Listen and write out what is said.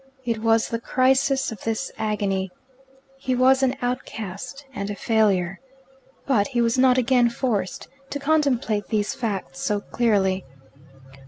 It was the crisis of this agony. He was an outcast and a failure. But he was not again forced to contemplate these facts so clearly.